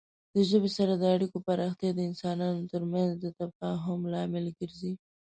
د ژبې سره د اړیکو پراختیا د انسانانو ترمنځ د تفاهم لامل ګرځي.